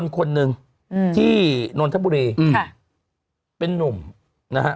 คนนึงที่นทบุรีเป็นนุ่มนะฮะ